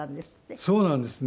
そうなんですね。